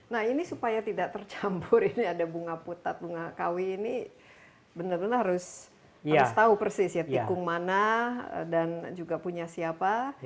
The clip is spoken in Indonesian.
nah ini supaya tidak tercampur ini ada bunga putat bunga kawi ini benar benar harus tahu persis ya tikung mana dan juga punya siapa